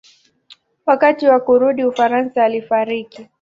Wakati wa kurudi Ufaransa alifariki.